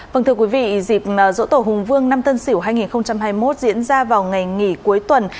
vâng thưa quý vị dịp dỗ tổ hùng vương năm tân sửu hai nghìn hai mươi một diễn ra vào ngày nghỉ cuối tuần